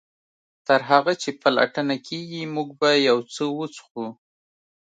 تر هغه چې پلټنه کیږي موږ به یو څه وڅښو